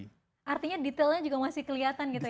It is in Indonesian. artinya detailnya juga masih kelihatan gitu ya